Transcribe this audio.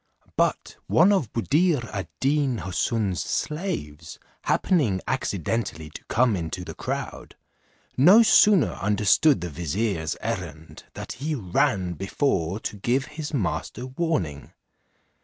But one of Buddir ad Deen Houssun's slaves happening accidentally to come into the crowd, no sooner understood the vizier's errand, than he ran before to give his master warning.